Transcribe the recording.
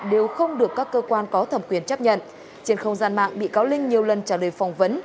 đều không được các cơ quan có thẩm quyền chấp nhận trên không gian mạng bị cáo linh nhiều lần trả lời phỏng vấn